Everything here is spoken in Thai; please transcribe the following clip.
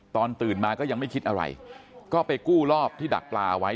ตื่นมาก็ยังไม่คิดอะไรก็ไปกู้รอบที่ดักปลาเอาไว้